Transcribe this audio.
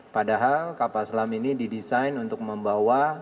padahal kapal selam ini didesain untuk membawa delapan torpedo